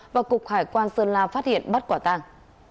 và cục hải quan sơn la phát hiện bắt quả tàng